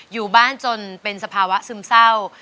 อยู่บ้านจนเป็นสภาวะซึมเศร้า